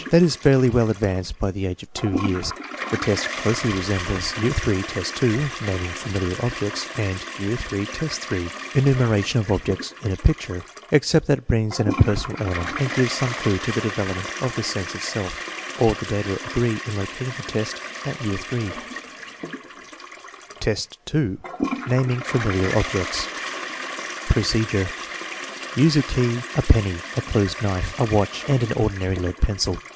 That is fairly well advanced by the age of 2 years. The test closely resembles III, 2 (naming familiar objects), and III, 3 (enumeration of objects in a picture), except that it brings in a personal element and gives some clue to the development of the sense of self. All the data agree in locating the test at year III. ffl, 2. Naming familiar objects Procedure. Use a key, a penny, a closed knife, a watch, and an ordinary lead pencil.